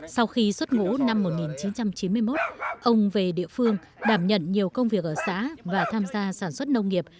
sau khi xuất ngũ năm một nghìn chín trăm chín mươi một ông về địa phương đảm nhận nhiều công việc ở xã và tham gia sản xuất nông nghiệp